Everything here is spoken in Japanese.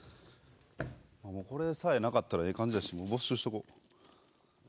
もうこれさえなかったらええ感じやしもう没収しとこ。